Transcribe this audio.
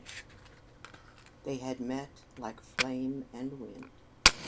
XI They had met like flame and wind.